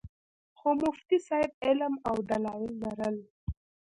خو مفتي صېب علم او دلائل لرل